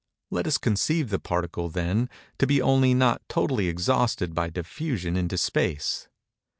Let us conceive the Particle, then, to be only not totally exhausted by diffusion into Space.